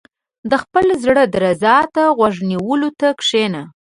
• د خپل زړۀ درزا ته غوږ نیولو ته کښېنه.